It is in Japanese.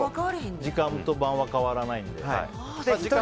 時間と盤は変わらないので。